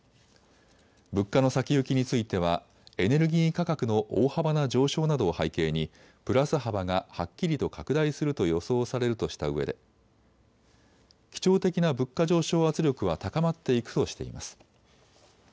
物価の先行きについてはエネルギー価格の大幅な上昇などを背景にプラス幅がはっきりと拡大すると予想されるとしたうえで基調的な物価上昇圧力は高まっていくとしています。